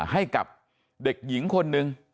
ให้กับเด็กหญิงคนหนึ่ง